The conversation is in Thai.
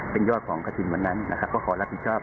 เป็นยอดของกระทินวันนั้นนะครับก็ขอรับผิดชอบ